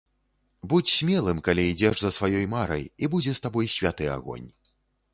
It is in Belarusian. Будзь смелым, калі ідзеш за сваёй марай, і будзе з табой святы агонь.